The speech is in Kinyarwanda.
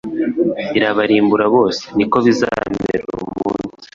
birabarimbura bose. Ni ko bizamera umunsi